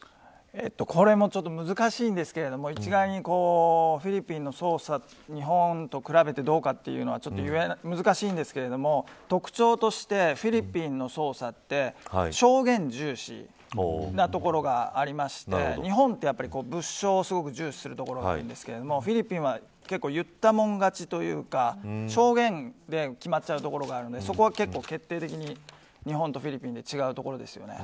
これもちょっと難しいんですけれども一概にフィリピンの捜査日本と比べてどうかというのは難しいんですけれども特徴としてフィリピンの捜査って証言重視なところがありまして日本って物証を、すごく重視するところがあるんですがフィリピンは、結構言ったもん勝ちというか証言で決まっちゃうところがあるのでそこは決定的に日本とフィリピンで違うところですね。